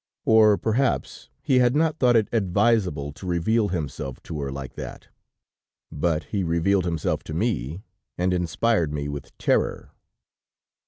Or, perhaps, he had not thought it advisable to reveal himself to her like that; but he revealed himself to me, and inspired me with terror.